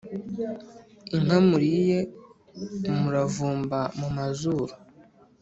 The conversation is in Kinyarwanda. inkamuriye umuravumba mu mazuru